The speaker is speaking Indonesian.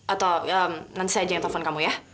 atau nanti saya aja yang telfon kamu ya